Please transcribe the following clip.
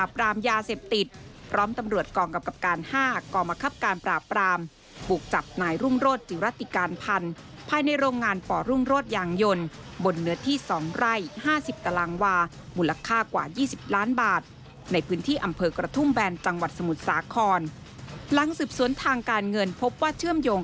ไปกับจินมูศาขอนหลังสืบสวนทางการเงินพบว่าเชื่อมโยง